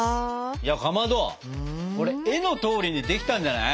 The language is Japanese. いやかまどこれ絵のとおりにできたんじゃない？